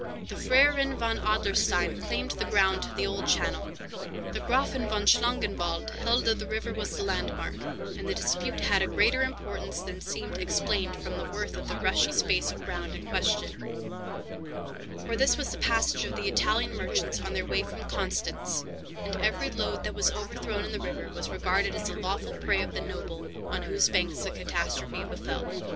The Freiherren von Adlerstein claimed the ground to the old channel, the Graffen von Schlangenwald held that the river was the landmark; and the dispute had a greater importance than seemed explained from the worth of the rushy space of ground in question, for this was the passage of the Italian merchants on their way from Constance, and every load that was overthrown in the river was regarded as the lawful prey of the noble on whose banks the catastrophe befell.